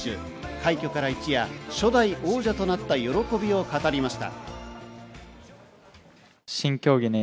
快挙から一夜、初代王者となった喜びを語りました。